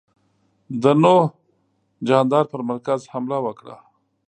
د نوح جاندار پر مرکز حمله وکړه.